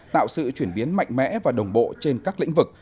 tạo sự chuyển biến mạnh mẽ và đồng bộ trên các lĩnh vực